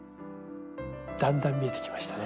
だんだん見えてきましたね。